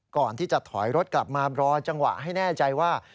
ก่อนที่จะถอยรถกลับมารอจังหวะให้แน่ใจว่า